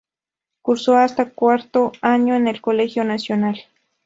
Cursó hasta cuarto año en el Colegio Nacional.